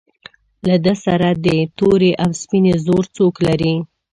له ده سره د تورې او سپینې زور څوک لري.